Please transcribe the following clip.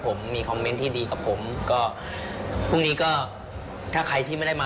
ก็ขอบคุณที่ทุกคนให้่งใจผมตลอดมา